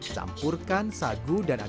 campurkan sagu dan adonan masak